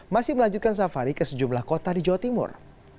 masih melanjutkan safari ke sejumlah kota di jawa timur